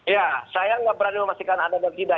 ya saya enggak berani memastikan anda enggak ada